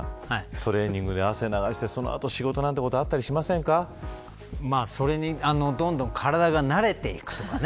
トレーニングで汗を流してその後、仕事なんてことそれにどんどん体が慣れていくとかね。